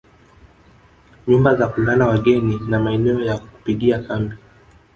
Nyumba za kulala wageni na maeneo ya kupigia kambi